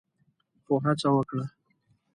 خو هڅه وکړه